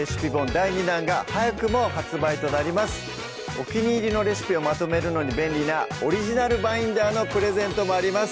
お気に入りのレシピをまとめるのに便利なオリジナルバインダーのプレゼントもあります